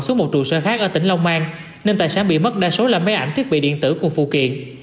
xuống một trụ sở khác ở tỉnh long an nên tài sản bị mất đa số là máy ảnh thiết bị điện tử của phụ kiện